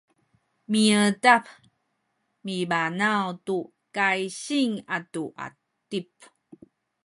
miedap mibanaw tu kaysing atu atip